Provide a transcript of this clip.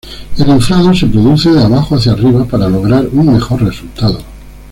El inflado se produce de abajo hacia arriba para lograr un mejor resultado.